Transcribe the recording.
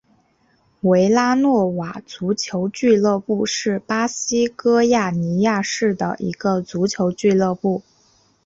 维拉诺瓦足球俱乐部是巴西戈亚尼亚市的一个足球俱乐部。